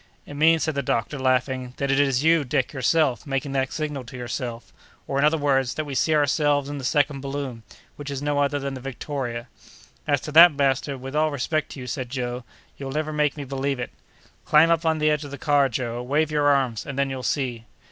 "It means," said the doctor, laughing, "that it is you, Dick, yourself, making that signal to yourself; or, in other words, that we see ourselves in the second balloon, which is no other than the Victoria." "As to that, master, with all respect to you," said Joe, "you'll never make me believe it." "Climb up on the edge of the car, Joe; wave your arms, and then you'll see."